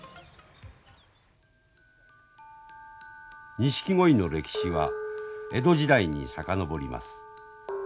ニシキゴイの歴史は江戸時代に遡ります。